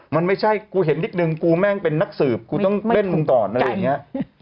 มันไม่ใช่กูเห็นนิดนึงกูแม่งเป็นนักสืบกูต้องเล่นมึงก่อนอะไรอย่างนี้